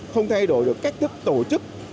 không thay đổi được cách thức tổ chức